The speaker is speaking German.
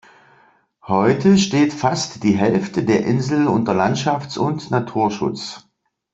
Heute steht fast die Hälfte der Insel unter Landschafts- und Naturschutz.